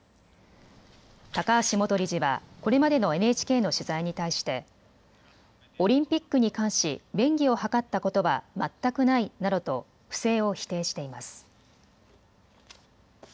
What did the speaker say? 高橋元理事はこれまでのＮＨＫの取材に対してオリンピックに関し便宜を図ったことは全くないなどと不正を否定しています。